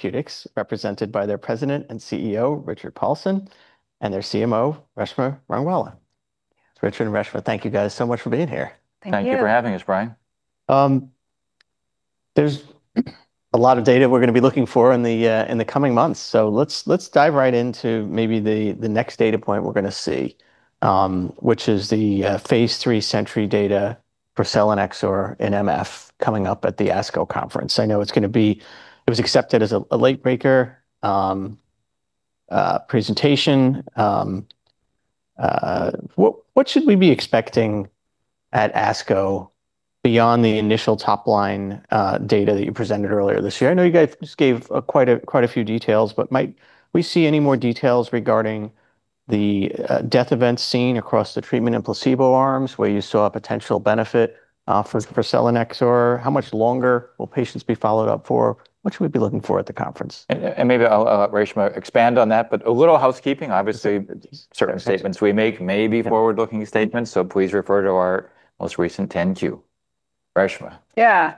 Therapeutics, represented by their President and CEO, Richard Paulson, and their CMO, Reshma Rangwala. Richard and Reshma, thank you guys so much for being here. Thank you. Thank you for having us, Brian. There's a lot of data we're gonna be looking for in the coming months, let's dive right into maybe the next data point we're gonna see, which is the phase III SENTRY data for selinexor and MF coming up at the ASCO conference. It was accepted as a late breaker presentation. What should we be expecting at ASCO beyond the initial top line data that you presented earlier this year? I know you guys just gave quite a few details, might we see any more details regarding the death events seen across the treatment and placebo arms where you saw a potential benefit for selinexor? How much longer will patients be followed up for? What should we be looking for at the conference? Maybe I'll, Reshma expand on that, but a little housekeeping. Sure certain statements we make may be. Yeah forward-looking statements, so please refer to our most recent 10-Q. Reshma. Yeah.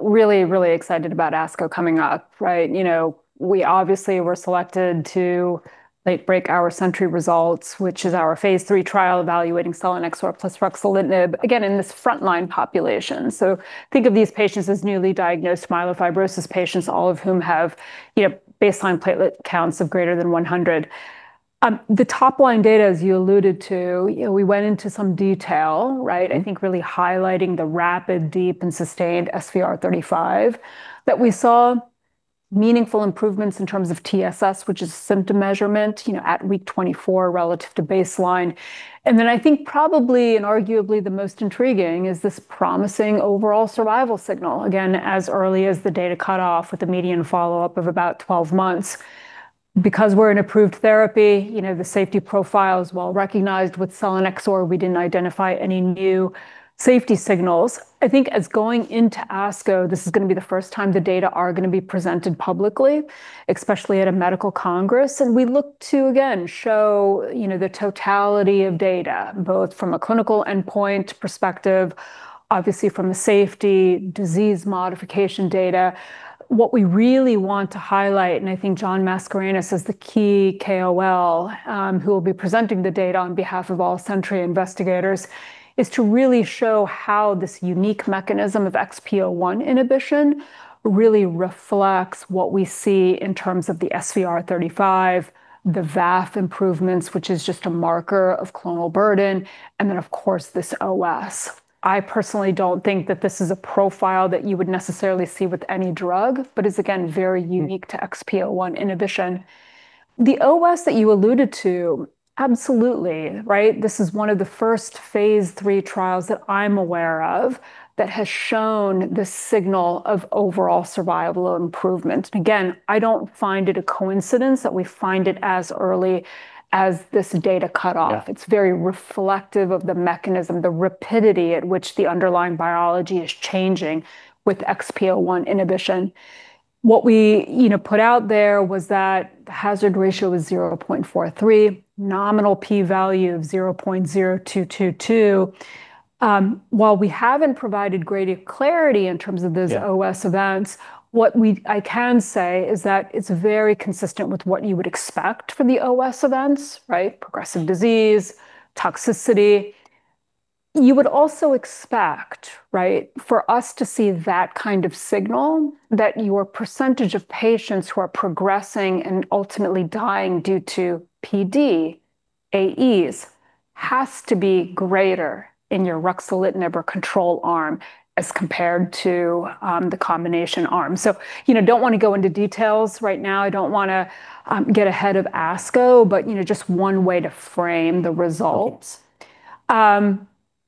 really, really excited about ASCO coming up, right? You know, we obviously were selected to late-break our SENTRY results, which is our phase III trial evaluating selinexor plus ruxolitinib, again, in this frontline population. Think of these patients as newly diagnosed myelofibrosis patients, all of whom have, you know, baseline platelet counts of greater than 100. The top line data, as you alluded to, you know, we went into some detail, right? I think really highlighting the rapid, deep, and sustained SVR35, that we saw meaningful improvements in terms of TSS, which is symptom measurement, you know, at week 24 relative to baseline. Then I think probably and arguably the most intriguing is this promising overall survival signal, again, as early as the data cutoff with the median follow-up of about 12 months. We're an approved therapy, you know, the safety profile is well-recognized with selinexor. We didn't identify any new safety signals. Going into ASCO, this is going to be the first time the data are going to be presented publicly, especially at a medical congress. We look to, again, show, you know, the totality of data, both from a clinical endpoint perspective, obviously from a safety disease modification data. What we really want to highlight, and I think John Mascarenhas is the key KOL who will be presenting the data on behalf of all SENTRY investigators, is to really show how this unique mechanism of XPO1 inhibition really reflects what we see in terms of the SVR35, the VAF improvements, which is just a marker of clonal burden. Then of course this OS. I personally don't think that this is a profile that you would necessarily see with any drug, but is again very unique to XPO1 inhibition. The OS that you alluded to, absolutely, right? This is one of the first phase III trials that I'm aware of that has shown the signal of overall survival improvement. Again, I don't find it a coincidence that we find it as early as this data cut off. Yeah. It's very reflective of the mechanism, the rapidity at which the underlying biology is changing with XPO1 inhibition. What we, you know, put out there was that the hazard ratio was 0.43, nominal P value of 0.0222. Yeah OS events, I can say is that it's very consistent with what you would expect for the OS events, right? Progressive disease, toxicity. You would also expect, right, for us to see that kind of signal that your percentage of patients who are progressing and ultimately dying due to PD, AEs has to be greater in your ruxolitinib or control arm as compared to the combination arm. You know, don't wanna go into details right now. I don't wanna get ahead of ASCO, but, you know, just one way to frame the results. Okay.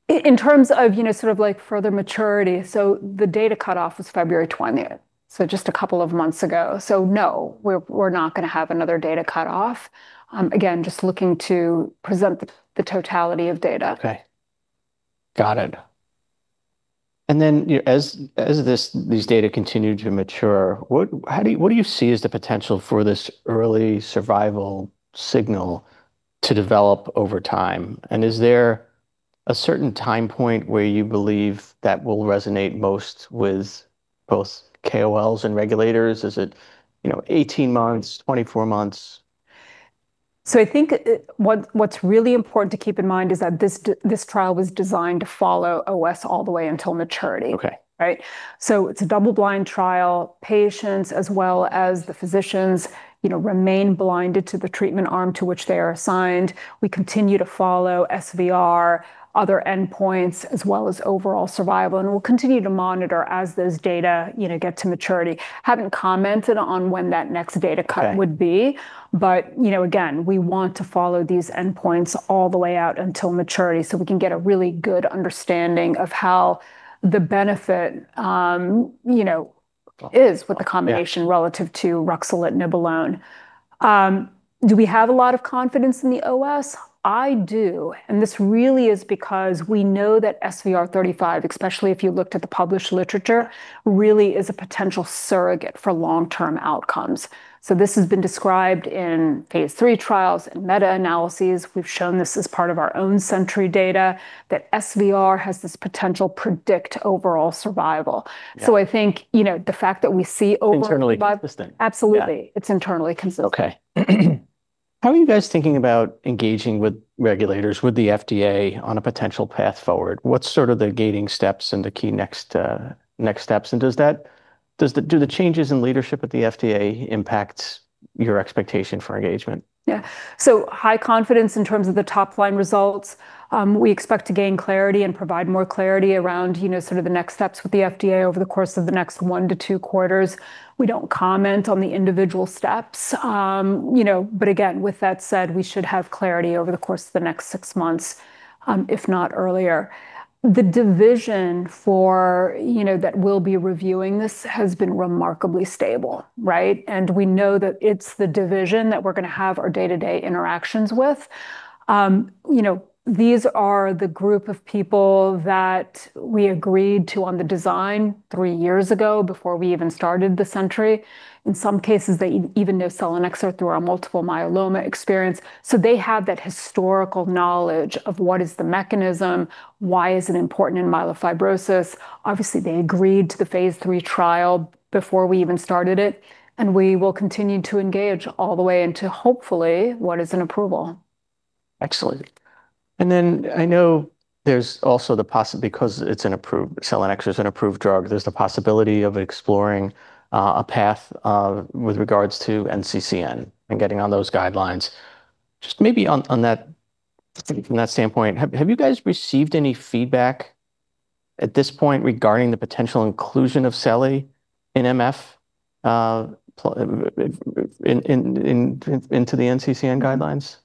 In terms of, you know, sort of like further maturity, so the data cutoff was February 20th, so just a couple of months ago. No, we're not gonna have another data cutoff. Again, just looking to present the totality of data. Okay. Got it. Then, you know, as these data continue to mature, what do you see as the potential for this early survival signal to develop over time, and is there a certain time point where you believe that will resonate most with both KOLs and regulators? Is it, you know, 18 months, 24 months? I think, what's really important to keep in mind is that this trial was designed to follow OS all the way until maturity. Okay. Right? It's a double-blind trial. Patients as well as the physicians, you know, remain blinded to the treatment arm to which they are assigned. We continue to follow SVR, other endpoints, as well as overall survival, and we'll continue to monitor as those data, you know, get to maturity. Okay would be. You know, again, we want to follow these endpoints all the way out until maturity so we can get a really good understanding of how the benefit, you know, is with the combination. Yeah relative to ruxolitinib alone. Do we have a lot of confidence in the OS? I do, and this really is because we know that SVR35, especially if you looked at the published literature, really is a potential surrogate for long-term outcomes. This has been described in phase III trials and meta-analyses. We've shown this as part of our own SENTRY data that SVR has this potential predict overall survival. Yeah. I think, you know, the fact that we see over. Internally consistent. Absolutely. Yeah. It's internally consistent. Okay. How are you guys thinking about engaging with regulators, with the FDA on a potential path forward? What's sort of the gating steps and the key next steps? Do the changes in leadership at the FDA impact your expectation for engagement? Yeah. High confidence in terms of the top-line results. We expect to gain clarity and provide more clarity around, you know, sort of the next steps with the FDA over the course of the next one to two quarters. We don't comment on the individual steps. You know, again, with that said, we should have clarity over the course of the next six months, if not earlier. The division for, you know, that we'll be reviewing this has been remarkably stable, right? We know that it's the division that we're gonna have our day-to-day interactions with. You know, these are the group of people that we agreed to on the design three years ago before we even started the SENTRY. In some cases, they even know selinexor through our multiple myeloma experience, so they have that historical knowledge of what is the mechanism, why is it important in myelofibrosis. Obviously, they agreed to the phase III trial before we even started it, and we will continue to engage all the way into, hopefully, what is an approval. Excellent. I know there's also there's the possibility of exploring a path with regards to NCCN and getting on those guidelines. Maybe on that, from that standpoint, have you guys received any feedback at this point regarding the potential inclusion of Selly in MF into the NCCN guidelines?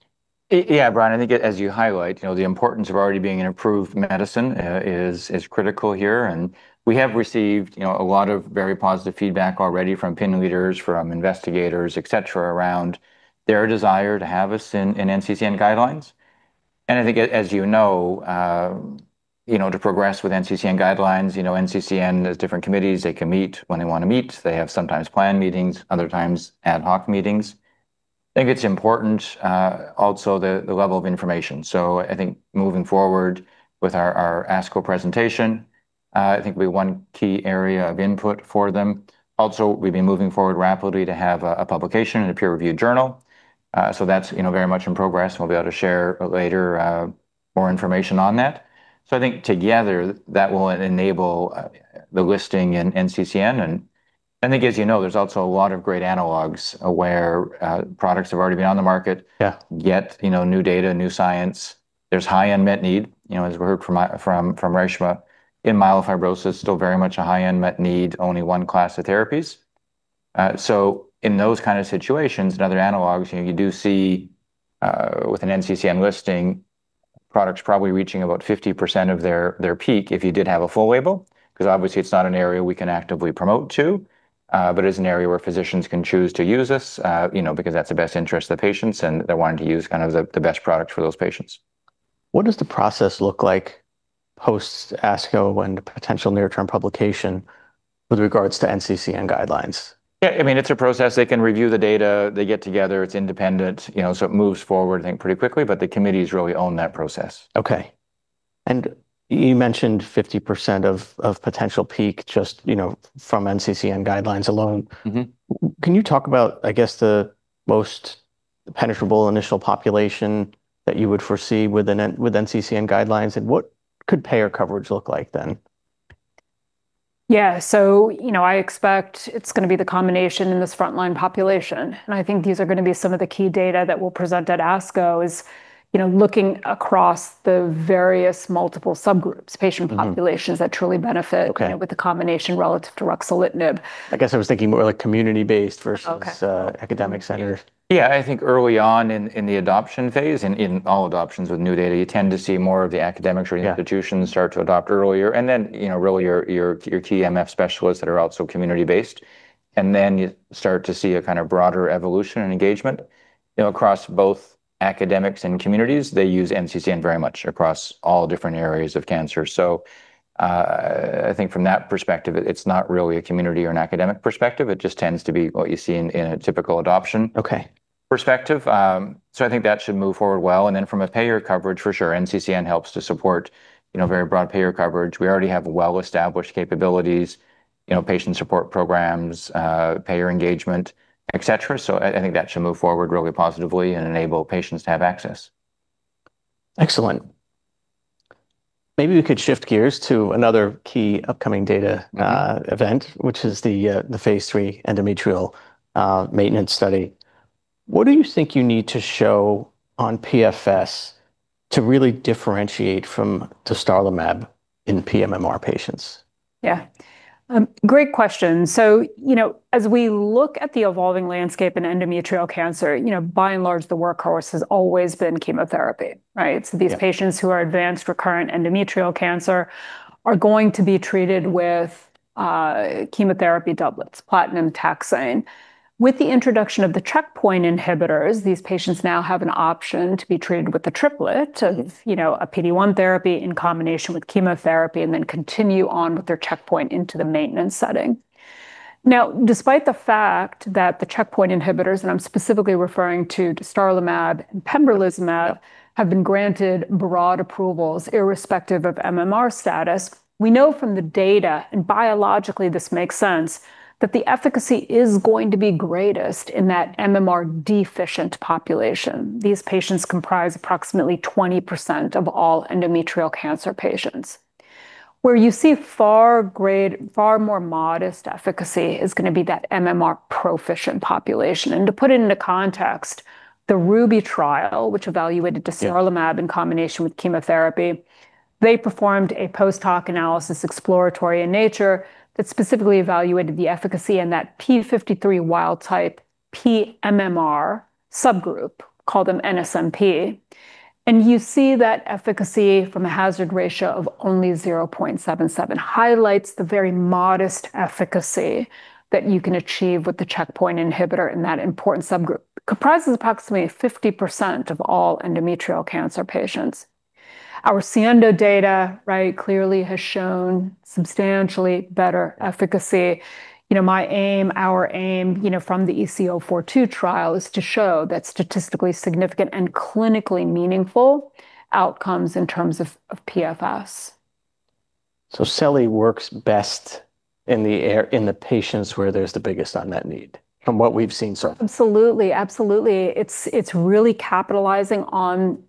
Yeah, Brian, as you highlight, you know, the importance of already being an approved medicine, is critical here. We have received, you know, a lot of very positive feedback already from opinion leaders, from investigators, et cetera, around their desire to have us in NCCN guidelines. I think as you know, you know, to progress with NCCN guidelines, you know, NCCN has different committees. They can meet when they wanna meet. They have sometimes planned meetings, other times ad hoc meetings. I think it's important also the level of information. I think moving forward with our ASCO presentation, I think it'll be one key area of input for them. Also, we've been moving forward rapidly to have a publication and a peer-reviewed journal. That's, you know, very much in progress, and we'll be able to share later, more information on that. I think together that will enable the listing in NCCN and I guess you know, there's also a lot of great analogs where products have already been on the market. Yeah You know, new data, new science. There's high unmet need, you know, as we heard from Reshma. In myelofibrosis, still very much a high unmet need, only one class of therapies. So in those kind of situations and other analogs, you know, you do see, with an NCCN listing, products probably reaching about 50% of their peak if you did have a full label, 'cause obviously it's not an area we can actively promote to, but it's an area where physicians can choose to use this, you know, because that's the best interest of the patients, and they're wanting to use kind of the best product for those patients. What does the process look like post ASCO and potential near-term publication with regards to NCCN guidelines? Yeah, I mean, it's a process. They can review the data. They get together. It's independent, you know, so it moves forward I think pretty quickly, but the committees really own that process. Okay. You mentioned 50% of potential peak just, you know, from NCCN guidelines alone. Can you talk about, I guess, the most penetrable initial population that you would foresee with NCCN guidelines? What could payer coverage look like then? Yeah. you know, I expect it's gonna be the combination in this frontline population, and I think these are gonna be some of the key data that we'll present at ASCO is, you know, looking across the various multiple subgroups, patient-. populations that truly benefit. Okay you know, with the combination relative to ruxolitinib. I guess I was thinking more like community-based versus. Okay academic centers. Yeah, I think early on in the adoption phase and in all adoptions with new data, you tend to see more of the academics or institutions. Yeah start to adopt earlier, and then, you know, really your key MF specialists that are also community-based, and then you start to see a kind of broader evolution and engagement. You know, across both academics and communities, they use NCCN very much across all different areas of cancer. I think from that perspective, it's not really a community or an academic perspective. It just tends to be what you see in a typical adoption. Okay perspective. I think that should move forward well, and then from a payer coverage, for sure, NCCN helps to support, you know, very broad payer coverage. We already have well-established capabilities, you know, patient support programs, payer engagement, et cetera. I think that should move forward really positively and enable patients to have access. Excellent. Maybe we could shift gears to another key upcoming data event, which is the phase III endometrial maintenance study. What do you think you need to show on PFS to really differentiate from dostarlimab in pMMR patients? Yeah. great question. You know, as we look at the evolving landscape in endometrial cancer, you know, by and large, the workhorse has always been chemotherapy, right? Yeah. These patients who are advanced recurrent endometrial cancer are going to be treated with chemotherapy doublets, platinum taxane. With the introduction of the checkpoint inhibitors, these patients now have an option to be treated with a triplet of-. you know, a PD-1 therapy in combination with chemotherapy and then continue on with their checkpoint into the maintenance setting. Now, despite the fact that the checkpoint inhibitors, and I'm specifically referring to dostarlimab and pembrolizumab, have been granted broad approvals irrespective of MMR status, we know from the data, and biologically this makes sense, that the efficacy is going to be greatest in that MMR deficient population. These patients comprise approximately 20% of all endometrial cancer patients. Where you see far grade, far more modest efficacy is gonna be that MMR proficient population. And to put it into context, the RUBY trial, which evaluated. Yeah dostarlimab in combination with chemotherapy, they performed a post-hoc analysis, exploratory in nature, that specifically evaluated the efficacy in that p53 wild type pMMR subgroup, call them NSMP. You see that efficacy from a hazard ratio of only 0.77 highlights the very modest efficacy that you can achieve with the checkpoint inhibitor in that important subgroup. Comprises approximately 50% of all endometrial cancer patients. Our SIENDO data, right, clearly has shown substantially better efficacy. You know, my aim, our aim, you know, from the XPORT-EC-042 trial is to show that statistically significant and clinically meaningful outcomes in terms of PFS. Selly works best in the patients where there's the biggest unmet need, from what we've seen so far. Absolutely. Absolutely. It's really capitalizing on.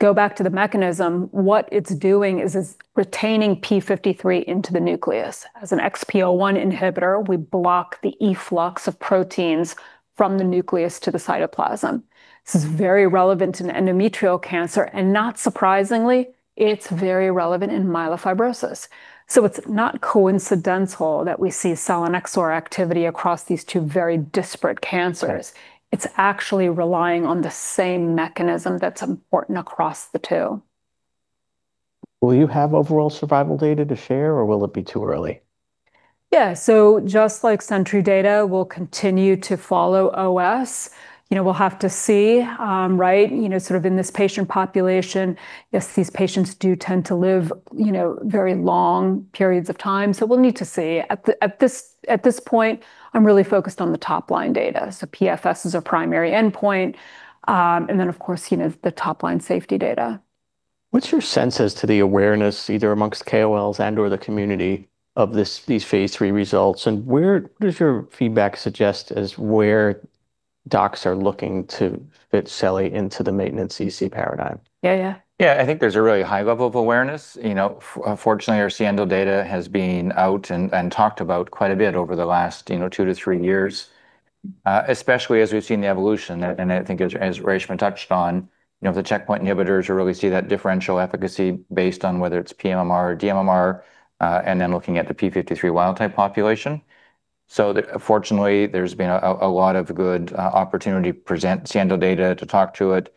Go back to the mechanism. What it's doing is it's retaining p53 into the nucleus. As an XPO1 inhibitor, we block the efflux of proteins from the nucleus to the cytoplasm. This is very relevant in endometrial cancer, and not surprisingly, it's very relevant in myelofibrosis. It's not coincidental that we see selinexor activity across these two very disparate cancers. Right. It's actually relying on the same mechanism that's important across the two. Will you have overall survival data to share, or will it be too early? Just like SENTRY data, we'll continue to follow OS. You know, we'll have to see, right, you know, sort of in this patient population. Yes, these patients do tend to live, you know, very long periods of time, so we'll need to see. At this point, I'm really focused on the top-line data, so PFS is our primary endpoint, and then of course, you know, the top-line safety data. What's your sense as to the awareness either amongst KOLs and/or the community of this, these phase III results, and where does your feedback suggest is where docs are looking to fit Selly into the maintenance EC paradigm? Yeah, yeah. Yeah, I think there's a really high level of awareness. You know, fortunately, our SIENDO data has been out and talked about quite a bit over the last, you know, two to three years, especially as we've seen the evolution. I think as Reshma touched on, you know, the checkpoint inhibitors, you really see that differential efficacy based on whether it's pMMR or dMMR, and then looking at the p53 wild type population. Fortunately, there's been a lot of good opportunity to present SIENDO data, to talk to it.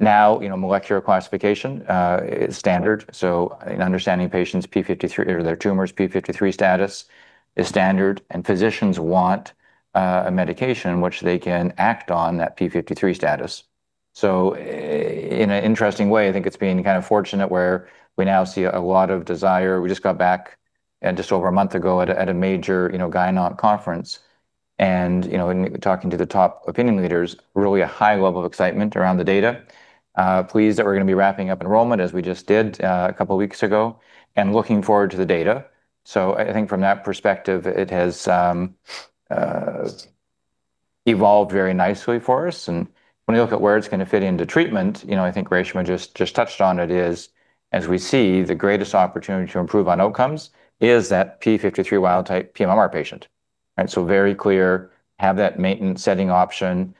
You know, molecular classification is standard, so in understanding patients' p53 or their tumor's p53 status is standard, and physicians want a medication which they can act on that p53 status. In an interesting way, I think it's been kind of fortunate where we now see a lot of desire. We just got back, just over a month ago at a, at a major, you know, gyn-onc conference. You know, in talking to the top opinion leaders, really a high level of excitement around the data. Pleased that we're gonna be wrapping up enrollment as we just did, couple of weeks ago, and looking forward to the data. I think from that perspective, it has evolved very nicely for us. When you look at where it's gonna fit into treatment, you know, I think Reshma just touched on it, is as we see, the greatest opportunity to improve on outcomes is that p53 wild type pMMR patient, right? Very clear, have that maintenance setting option,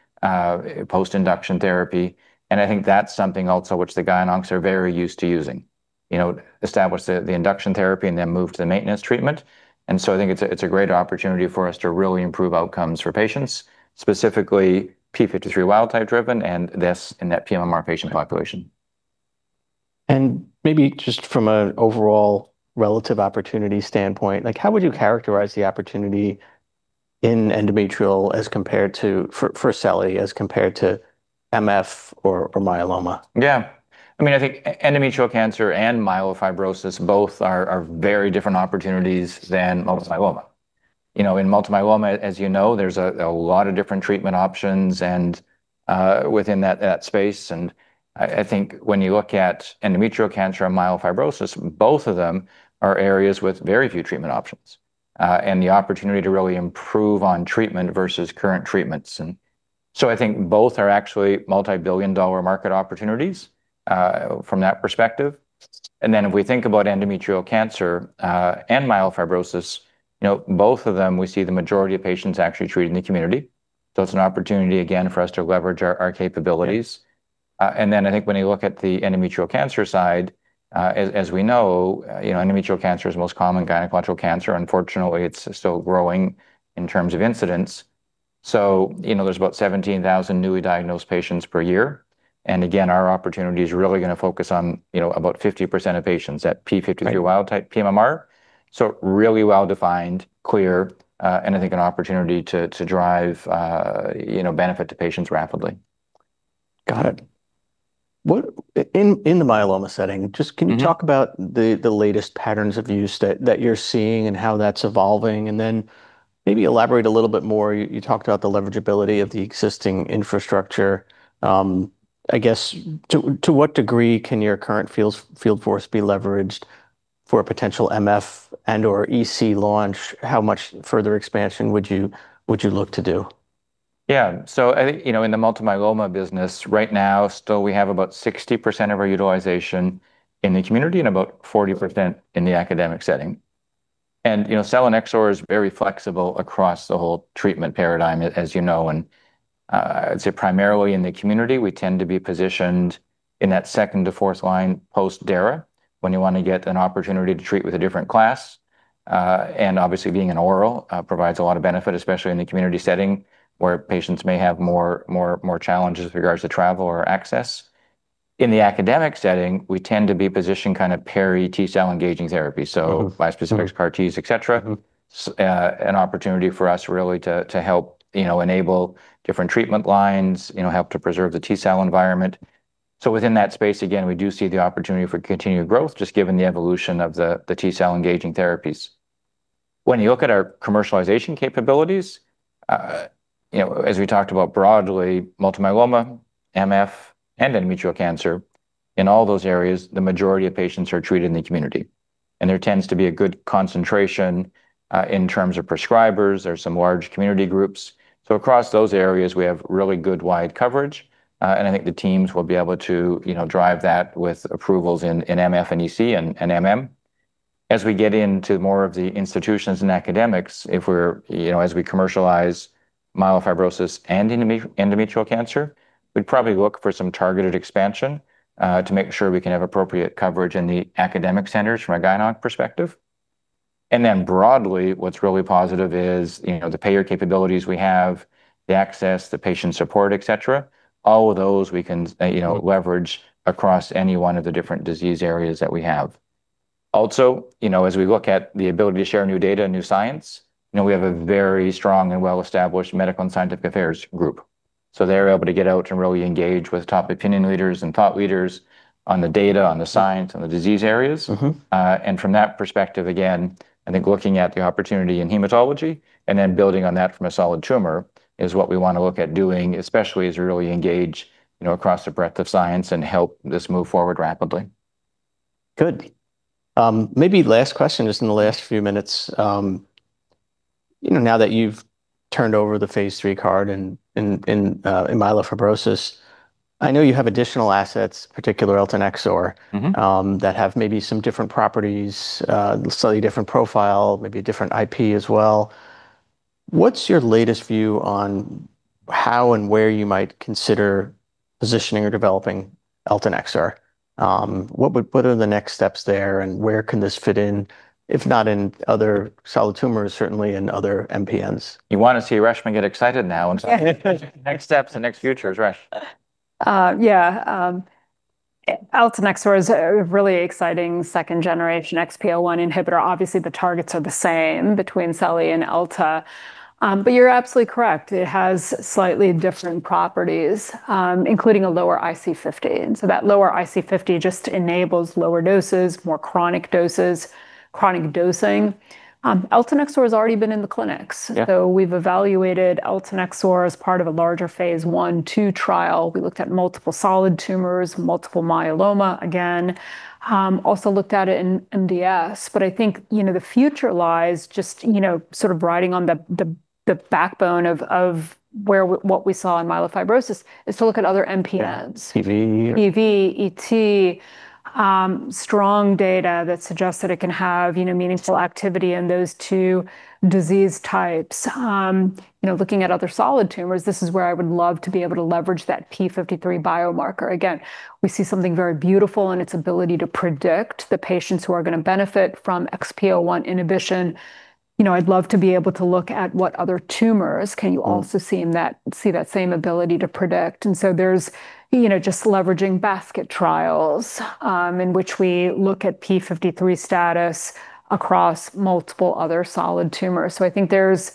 post induction therapy, I think that's something also which the gyn-oncs are very used to using. You know, establish the induction therapy and then move to the maintenance treatment. I think it's a, it's a great opportunity for us to really improve outcomes for patients, specifically p53 wild type driven, and this in that pMMR patient population. Maybe just from an overall relative opportunity standpoint, like, how would you characterize the opportunity in endometrial as compared to, for Selly, as compared to MF or myeloma? Yeah. I mean, I think endometrial cancer and myelofibrosis both are very different opportunities than multiple myeloma. You know, in multiple myeloma, as you know, there's a lot of different treatment options and within that space. I think when you look at endometrial cancer and myelofibrosis, both of them are areas with very few treatment options and the opportunity to really improve on treatment versus current treatments. I think both are actually multi-billion dollar market opportunities from that perspective. If we think about endometrial cancer and myelofibrosis, you know, both of them, we see the majority of patients actually treated in the community. It's an opportunity, again, for us to leverage our capabilities. Right. I think when you look at the endometrial cancer side, as we know, you know, endometrial cancer is the most common gynecological cancer. Unfortunately, it's still growing in terms of incidence. You know, there's about 17,000 newly diagnosed patients per year. Again, our opportunity is really gonna focus on, you know, about 50% of patients, that p53 wild type pMMR. Really well-defined, clear, and I think an opportunity to drive, you know, benefit to patients rapidly. Got it. In the myeloma setting. Just can you talk about the latest patterns of use that you're seeing and how that's evolving? Then maybe elaborate a little bit more. You talked about the leverageability of the existing infrastructure. I guess to what degree can your current field force be leveraged for a potential MF and/or EC launch? How much further expansion would you look to do? Yeah. I think, you know, in the multi myeloma business right now still we have about 60% of our utilization in the community and about 40% in the academic setting. You know, selinexor is very flexible across the whole treatment paradigm, as you know, and I'd say primarily in the community we tend to be positioned in that second to fourth line post-daratumumab when you wanna get an opportunity to treat with a different class. Obviously being an oral provides a lot of benefit, especially in the community setting where patients may have more challenges with regards to travel or access. In the academic setting, we tend to be positioned kind of peri T-cell engaging therapy. Bispecific CAR T, et cetera. An opportunity for us really to help, you know, enable different treatment lines, you know, help to preserve the T-cell environment. Within that space, again, we do see the opportunity for continued growth just given the evolution of the T-cell engaging therapies. When you look at our commercialization capabilities, you know, as we talked about broadly, multiple myeloma, MF, and endometrial cancer, in all those areas the majority of patients are treated in the community, and there tends to be a good concentration in terms of prescribers. There are some large community groups. Across those areas we have really good wide coverage, and I think the teams will be able to, you know, drive that with approvals in MF and EC and MM. As we get into more of the institutions and academics, if we're you know, as we commercialize myelofibrosis and endometrial cancer, we'd probably look for some targeted expansion to make sure we can have appropriate coverage in the academic centers from a gyn-onc perspective. Broadly what's really positive is, you know, the payer capabilities we have, the access to patient support, et cetera, all of those we can, you know, leverage across any one of the different disease areas that we have. Also, you know, as we look at the ability to share new data and new science, you know, we have a very strong and well-established medical and scientific affairs group. They're able to get out and really engage with top opinion leaders and thought leaders on the data, on the science, on the disease areas. From that perspective, again, I think looking at the opportunity in hematology and then building on that from a solid tumor is what we want to look at doing, especially as we really engage, you know, across the breadth of science and help this move forward rapidly. Good. Maybe last question just in the last few minutes. You know, now that you've turned over the phase III card in myelofibrosis, I know you have additional assets, particularly eltanexor, that have maybe some different properties, slightly different profile, maybe a different IP as well. What's your latest view on how and where you might consider positioning or developing eltanexor? What are the next steps there, and where can this fit in, if not in other solid tumors, certainly in other MPNs? You want to see Reshma get excited now. Next steps and next futures. Resh? eltanexor is a really exciting second generation XPO1 inhibitor. The targets are the same between selly and elta. You're absolutely correct. It has slightly different properties, including a lower IC50. That lower IC50 just enables lower doses, more chronic doses, chronic dosing. eltanexor has already been in the clinics. Yeah. We've evaluated eltanexor as part of a larger phase I/II trial. We looked at multiple solid tumors, multiple myeloma again, also looked at it in MDS. I think, you know, the future lies just, you know, sort of riding on the backbone of where what we saw in myelofibrosis is to look at other MPNs. Yeah. PV. PV, ET, strong data that suggests that it can have, you know, meaningful activity in those two disease types. You know, looking at other solid tumors, this is where I would love to be able to leverage that p53 biomarker. Again, we see something very beautiful in its ability to predict the patients who are gonna benefit from XPO1 inhibition. You know, I'd love to be able to look at what other tumors can you also see that same ability to predict. There's, you know, just leveraging basket trials, in which we look at p53 status across multiple other solid tumors. I think there's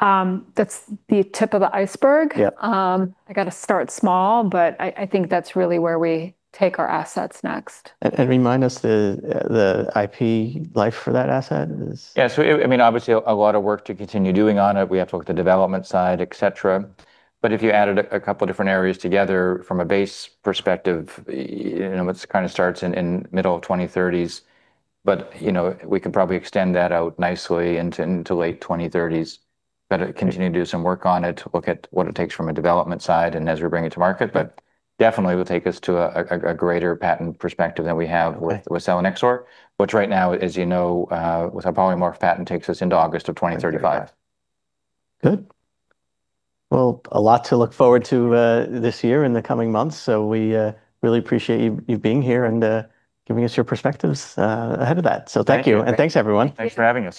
that's the tip of the iceberg. Yeah. I got to start small, but I think that's really where we take our assets next. remind us the IP life for that asset is? I mean, obviously a lot of work to continue doing on it. We have to work the development side, et cetera. If you added a couple different areas together from a base perspective, you know, it kind of starts in middle of 2030s, you know, we could probably extend that out nicely into late 2030s. We better continue to do some work on it, look at what it takes from a development side and as we bring it to market. Definitely will take us to a greater patent perspective than we have. Right with selinexor, which right now, as you know, with our polymorph patent takes us into August of 2035. Good. Well, a lot to look forward to, this year in the coming months. We really appreciate you being here and giving us your perspectives ahead of that. Thank you. Thank you. Thanks everyone. Thanks for having us.